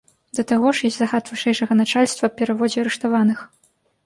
Да таго ж ёсць загад вышэйшага начальства аб пераводзе арыштаваных.